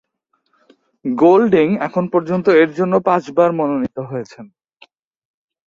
গোল্ডিং এখন পর্যন্ত এরজন্য পাঁচবার মনোনিত হয়েছেন।